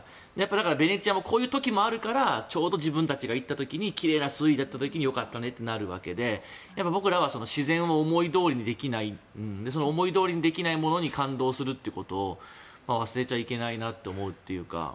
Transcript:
だから、ベネチアもこういう時もあるからちょうど自分たちが行った時に奇麗な水位だった時によかったねってなるわけで僕らは自然を思いどおりにできない思いどおりにできないものに感動するということを忘れちゃいけないなって思うというか。